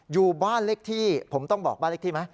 อยู่บ้านเลขที่ผมต้องบอกบ้านเลขที่ไหม